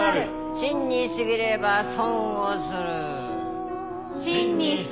信に過ぎれば損をする！